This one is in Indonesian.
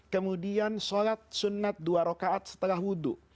kemudian sholat sunat dua rokaat setelah wudhu